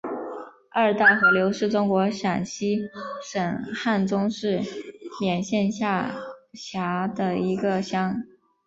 二道河乡是中国陕西省汉中市勉县下辖的一个乡。